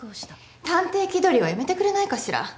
探偵気取りはやめてくれないかしら。